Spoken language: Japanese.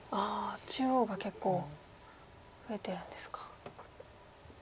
中央が結構増えてるんですか。